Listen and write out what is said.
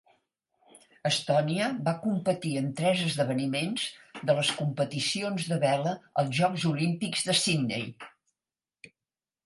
Estònia va competir en tres esdeveniments de les competicions de vela als Jocs Olímpics de Sydney.